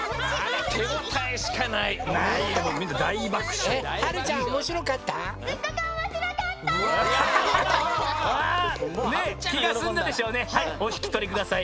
はいおひきとりください。